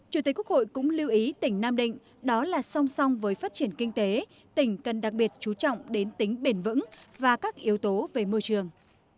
chủ tịch quốc hội cũng lưu ý tỉnh nam định đó là song song với phát triển kinh tế tỉnh cần đặc biệt chú trọng đến tính bền vững và các yếu tố về môi trường